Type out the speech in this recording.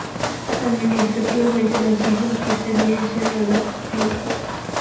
Administrativamente, las islas pertenecen a la prefectura de Nagasaki.